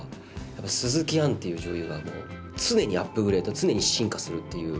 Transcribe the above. やっぱ鈴木杏っていう女優は常にアップグレード常に進化するっていう